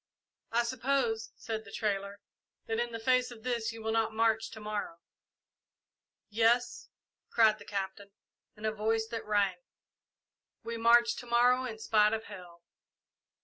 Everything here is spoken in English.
"I suppose," said the trader, "that in the face of this you will not march to morrow." "Yes," cried the Captain, in a voice that rang; "we march to morrow in spite of hell!"